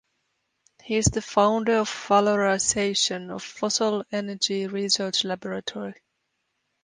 He is the founder of valorization of fossil energy research laboratory.